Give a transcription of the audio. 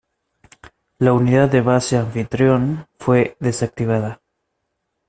La unidad de base anfitrión fue desactivada.